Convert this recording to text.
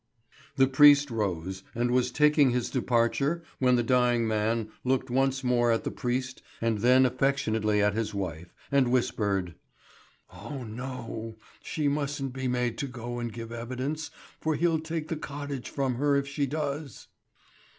The priest rose, and was taking his departure when the dying man looked once more at the priest and then affectionately at his wife, and whispered: "Oh no! She mustn't be made to go and give evidence, for he'll take the cottage from her if she does."